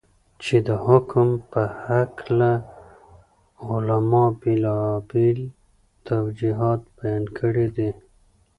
چې دحكم په هكله علماؤ بيلابيل توجيهات بيان كړي دي.